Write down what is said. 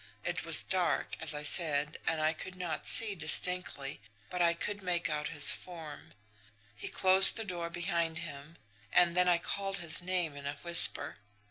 It was dark, as I said, and I could not see distinctly, but I could make out his form. He closed the door behind him and then I called his name in a whisper.